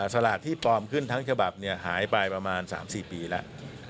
สลากที่ปลอมขึ้นทั้งฉบับหายไปประมาณ๓๔ปีแล้ว